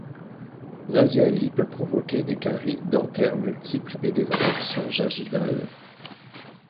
L'asialie peut provoquer des caries dentaires multiples et des infections gingivales.